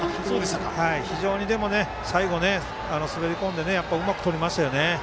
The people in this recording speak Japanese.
非常に最後滑り込んでうまくとりましたよね。